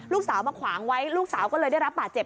ลูกสาวมาขวางไว้ลูกสาวก็เลยได้รับบาดเจ็บ